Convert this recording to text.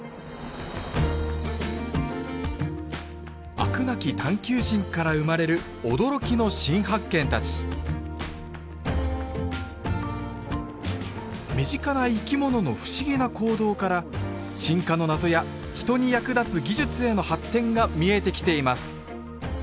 飽くなき探究心から生まれる驚きの新発見たち身近な生き物の不思議な行動から進化の謎や人に役立つ技術への発展が見えてきています！